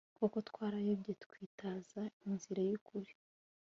koko twarayobye, twitaza inzira y'ukuri